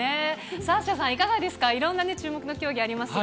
サッシャさん、いかがですか、いろんな注目の競技ありますが。